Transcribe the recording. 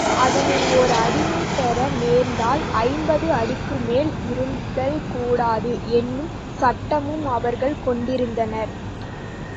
அதனை ஓர் அடிமை பெற நேர்ந்தால் ஐம்பது அடிக்குமேல் இருத்தல் கூடாது என்னும் சட்டமும் அவர்கள் கொண்டிருந்தனர்.